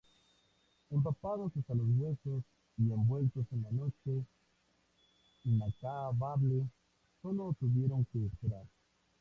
Empapados hasta los huesos y envueltos en la noche inacabable, solo tuvieron que esperar.